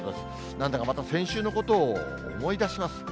なんだかまた先週のことを思い出します。